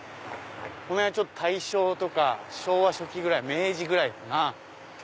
この辺は大正とか昭和初期ぐらい明治ぐらいかな。